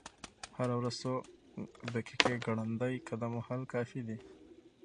هره ورځ څو دقیقې ګړندی قدم وهل کافي دي.